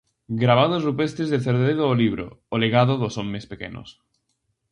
Gravados rupestres de Cerdedo O libro "O legado dos homes pequenos".